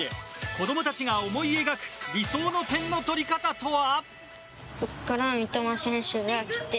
子供たちが思い描く理想の点の取り方とは？